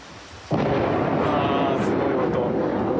ああすごい音。